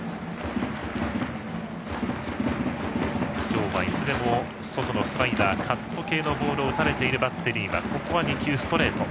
今日はいずれも外のスライダーカット系のボールを打たれているバッテリーはここは２球ストレート。